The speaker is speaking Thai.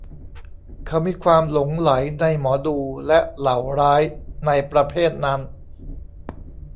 เขามีความหลงใหลในหมอดูและเหล่าร้ายในประเภทนั้น